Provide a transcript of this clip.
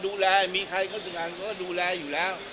ดูแลมีใครเขาก็ดูแลอยู่แล้ว